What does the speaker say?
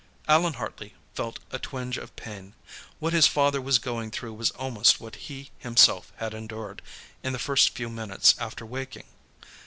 Allan Hartley felt a twinge of pain. What his father was going through was almost what he, himself, had endured, in the first few minutes after waking.